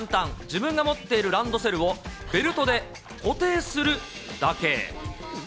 自分が持っているランドセルを、ベルトで固定するだけ。